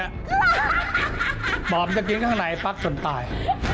มันจะกินข้างในปั๊กชนตาย